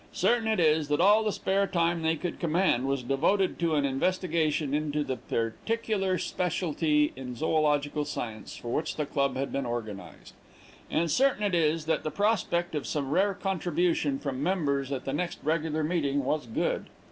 Certain it is that all the spare time they could command was devoted to an investigation into the particular speciality in zoölogical science, for which the club had been organized; and certain it is that the prospect of some rare contribution from members at the next regular meeting was good.